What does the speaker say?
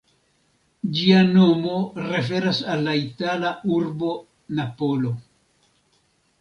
Ĝia nomo referas al la itala urbo Napolo.